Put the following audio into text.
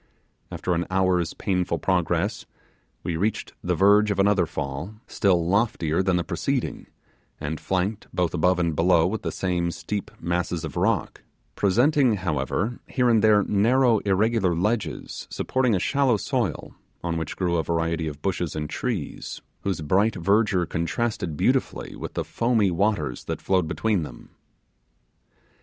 After an hour's painful progress, we reached the verge of another fall, still loftier than the preceding and flanked both above and below with the same steep masses of rock, presenting, however, here and there narrow irregular ledges, supporting a shallow soil, on which grew a variety of bushes and trees, whose bright verdure contrasted beautifully with the foamy waters that flowed between them.